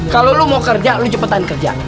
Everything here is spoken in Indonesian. kalau lo mau kerja lu cepetan kerja